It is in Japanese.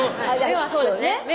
目はそうですね